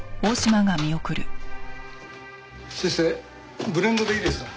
先生ブレンドでいいですか？